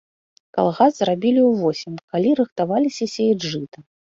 Калгас зрабілі ўвосень, калі рыхтаваліся сеяць жыта.